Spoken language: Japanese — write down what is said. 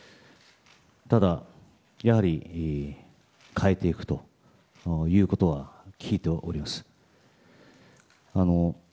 ただ、やはり変えていくということは聞いております。